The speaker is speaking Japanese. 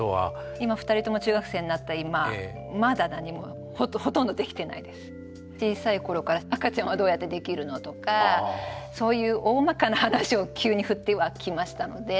今２人とも中学生になった今小さい頃から赤ちゃんはどうやってできるのとかそういうおおまかな話を急に振ってはきましたので。